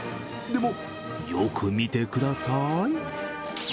でも、よく見てください。